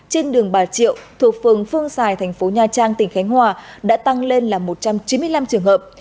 trên đường bà triệu thuộc phường phương xài thành phố nha trang tỉnh khánh hòa đã tăng lên là một trăm chín mươi năm trường hợp